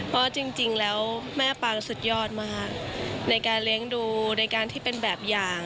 เพราะจริงแล้วแม่ปางสุดยอดมากในการเลี้ยงดูในการที่เป็นแบบอย่าง